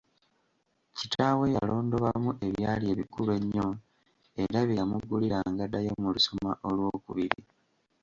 Kitaawe yalondobamu ebyali ebikulu ennyo era bye yamugulira ng’addayo mu lusoma olw’okubiri.